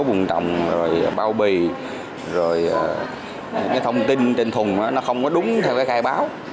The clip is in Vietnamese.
phùng trọng rồi bao bì rồi cái thông tin trên thùng nó không có đúng theo cái khai báo